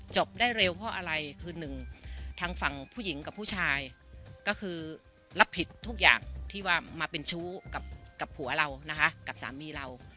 ได้เร็วเพราะอะไรคือหนึ่งทางฝั่งผู้หญิงกับผู้ชายก็คือรับผิดทุกอย่างที่ว่ามาเป็นชู้กับผัวเรานะคะกับสามีเรา